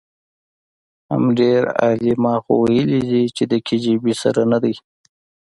حم ډېر عالي ما خو ويلې چې د کي جي بي سره ندی.